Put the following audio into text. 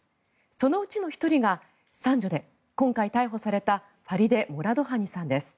そのうちの１人が三女で、今回逮捕されたファリデ・モラドハニさんです。